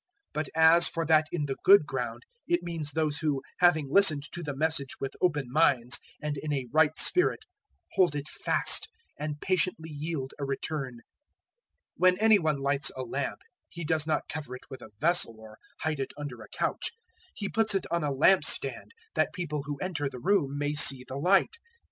008:015 But as for that in the good ground, it means those who, having listened to the Message with open minds and in a right spirit, hold it fast, and patiently yield a return. 008:016 "When any one lights a lamp, he does not cover it with a vessel or hide it under a couch; he puts it on a lampstand, that people who enter the room may see the light.